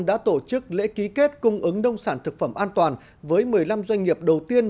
đã tổ chức lễ ký kết cung ứng nông sản thực phẩm an toàn với một mươi năm doanh nghiệp đầu tiên